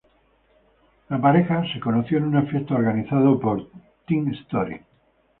La pareja se conoció en una fiesta organizada por Tim Story.